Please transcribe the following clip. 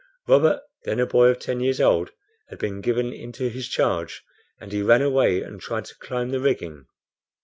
Robert, then a boy of ten years old, had been given into his charge, and he ran away and tried to climb the rigging.